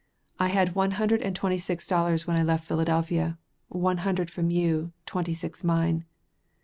I had one hundred and twenty six dollars when I left Philadelphia, one hundred from you, twenty six mine.